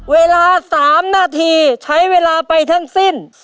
เวลา๓นาทีใช้เวลาไปทั้งสิ้น